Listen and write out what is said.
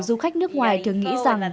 du khách nước ngoài thường nghĩ rằng